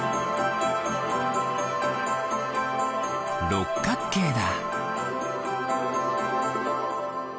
ろっかくけいだ！